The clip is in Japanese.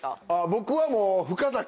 僕はもう。